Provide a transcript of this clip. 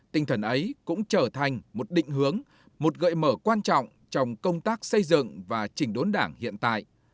tinh thần ấy cũng trở thành một định hướng một gợi mở quan trọng trong công tác xây dựng và chỉnh đốn đảng hiện tại